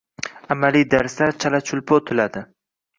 Amaliy darslar chala-chulpa o‘tiladi.